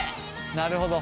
なるほど。